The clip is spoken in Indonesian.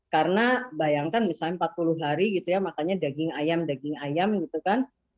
karena bayangkan misalnya empat puluh hari gitu ya makannya daging ayam daging ayam gitu kan